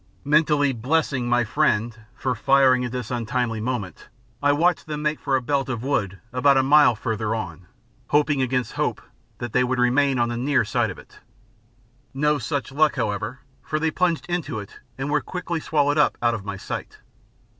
Mentally blessing my friend for firing at this untimely moment, I watched them make for a belt of wood about a mile further on, hoping against hope that they would remain on the near side of it. No such luck, however, for they plunged into it and were quickly swallowed up out of my sight.